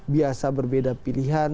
biasa berbeda pilihan